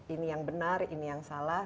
ini yang benar ini yang salah